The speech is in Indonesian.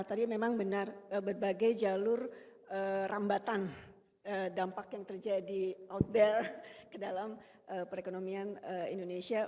tadi memang benar berbagai jalur rambatan dampak yang terjadi outdoor ke dalam perekonomian indonesia